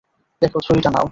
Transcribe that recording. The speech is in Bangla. দেখো ছুরিটা নাও।